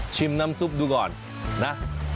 น้ำซุปดูก่อนนะ